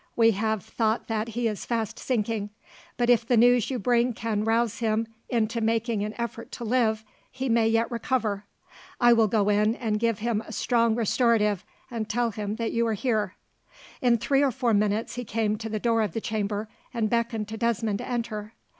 We have thought that he is fast sinking; but if the news you bring can rouse him into making an effort to live, he may yet recover. I will go in and give him a strong restorative, and tell him that you are here." In three or four minutes, he came to the door of the chamber, and beckoned to Desmond to enter.